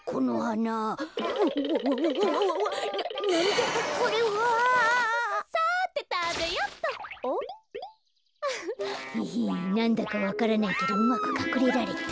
なんだかわからないけどうまくかくれられた。